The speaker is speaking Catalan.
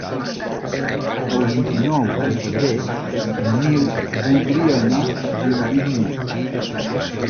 El vint-i-nou de febrer en Nil voldria anar a Vilobí d'Onyar.